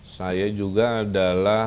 saya juga adalah